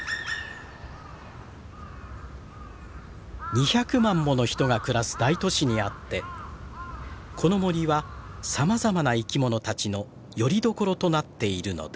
２００万もの人が暮らす大都市にあってこの森はさまざまな生き物たちのよりどころとなっているのです。